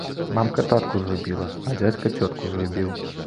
Мамка тату згубіла, а дзядзька цётку згубіў!